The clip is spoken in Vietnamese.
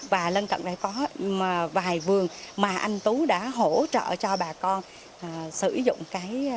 và lân cận đây có vài vườn mà anh tú đã hỗ trợ cho bà con sử dụng